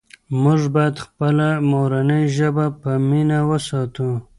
موږ باید خپله مورنۍ ژبه په مینه وساتو.